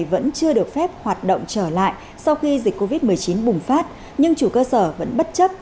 vẫn chưa được phép hoạt động trở lại sau khi dịch covid một mươi chín bùng phát nhưng chủ cơ sở vẫn bất chấp